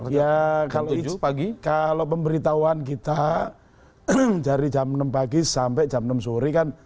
ya kalau pemberitahuan kita dari jam enam pagi sampai jam enam sore kan